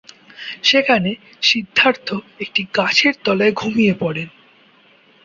সেখানে সিদ্ধার্থ একটি গাছের তলায় ঘুমিয়ে পড়েন।